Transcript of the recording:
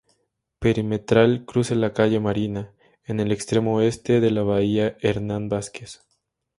Perimetral, cruce calle La Marina, en el extremo oeste de la Bahía Hernán Vásquez.